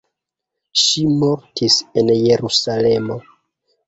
Ŝi mortis en Jerusalemo.